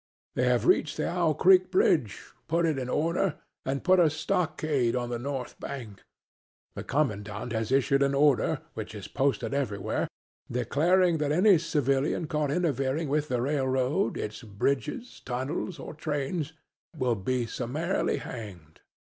They have reached the Owl Creek bridge, put it in order and built a stockade on the north bank. The commandant has issued an order, which is posted everywhere, declaring that any civilian caught interfering with the railroad, its bridges, tunnels or trains will be summarily hanged.